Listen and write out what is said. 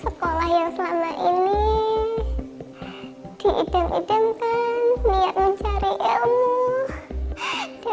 sekolah yang selama ini diidam idamkan niat mencari ilmu dari jauh datang